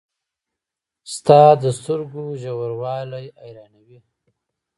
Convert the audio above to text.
• ستا د سترګو ژوروالی حیرانوي.